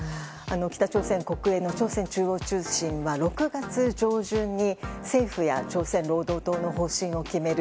北朝鮮国営の朝鮮中央通信は６月上旬に政府や朝鮮労働党の方針を決める